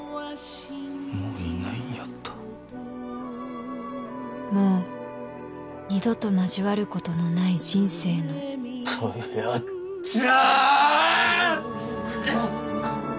もういないんやったもう二度と交わることのない人生のどやっじゃ！